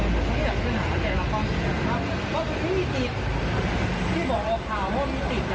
พี่บอกเหลือคาวว่ามีติด